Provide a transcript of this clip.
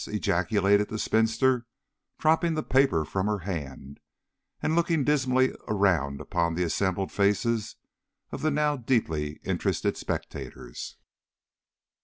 ejaculated the spinster, dropping the paper from her hand and looking dismally around upon the assembled faces of the now deeply interested spectators.